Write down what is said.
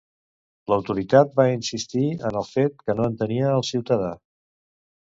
L'autoritat va insistir en el fet que no entenia al ciutadà?